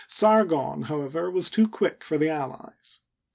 Sargon was, however, too quick for the allies.